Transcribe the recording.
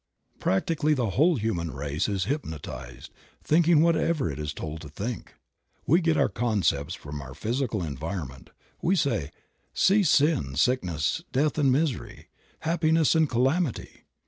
Practically the whole human race is hypnotized, thinking whatever it is told to think. We get our concepts from our physical environment, we say, "See sin, sickness and death, misery, unhappiness and calamity."